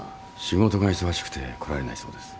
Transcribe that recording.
仕事が忙しくて来られないそうです。